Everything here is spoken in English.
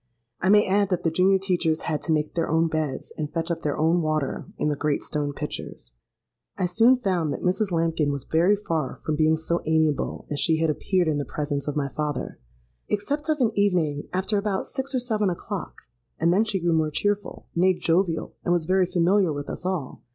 I may add that the junior teachers had to make their own beds, and fetch up their own water in the great stone pitchers. "I soon found that Mrs. Lambkin was very far from being so amiable as she had appeared in the presence of my father—except of an evening, after about six or seven o'clock; and then she grew more cheerful—nay, jovial, and was very familiar with us all.